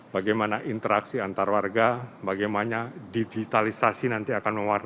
bagaimana interaksi antar warga bagaimana digitalisasi nanti akan mewarnai